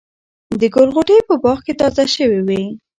د ګل غوټۍ په باغ کې تازه شوې وې.